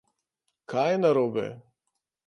Kaj je narobe?